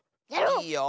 いいよ。